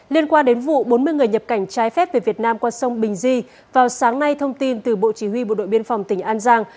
liên quan đến vụ bốn mươi người nhập cảnh trái phép về việt nam qua sông bình di vào sáng nay thông tin từ bộ chỉ huy bộ đội biên phòng tỉnh an giang